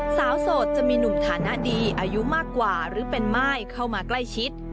โสดจะมีหนุ่มฐานะดีอายุมากกว่าหรือเป็นม่ายเข้ามาใกล้ชิด